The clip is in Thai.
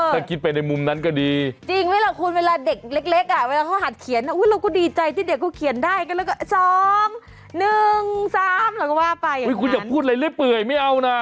ว่าไปอย่างนั้นคุณอย่าพูดอะไรเลยปื่อยไม่เอานะ